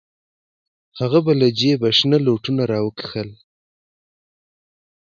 هغه به له جيبه شنه لوټونه راوکښل.